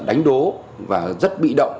đánh đố và rất bị động